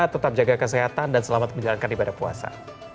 tetap jaga kesehatan dan selamat menjalankan ibadah puasa